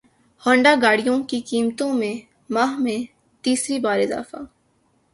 Honda گاڑیوں کی قیمتوں میں ماہ میں تیسری بار اضافہ